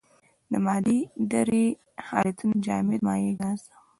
د مادې درې حالتونه جامد مايع ګاز.